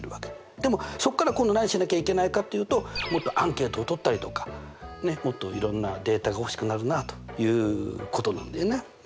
でもそこから今度何をしなきゃいけないかというともっとアンケートを取ったりとかもっといろんなデータが欲しくなるなということなんだよね。